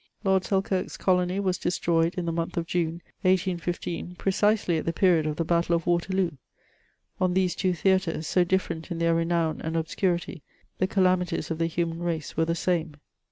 Lord Sdkirk*s colony was destroyed in the month of June, 1815, precisely at the period of the battle of Waterloo. On t^ese two theatres, so different in their renown and obscurity, the calamities of the human race were the same.